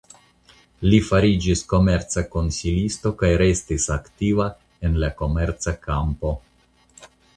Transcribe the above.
Li fariĝis komerca konsilisto kaj restis aktiva en la komerca kampo.